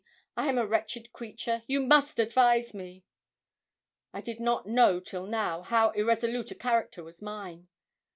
I am a wretched creature. You must advise me.' I did not know till now how irresolute a character was mine.